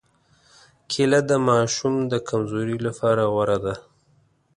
کېله د ماشو د کمزورۍ لپاره غوره ده.